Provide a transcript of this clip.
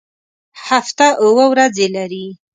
هفته اووه ورځې لري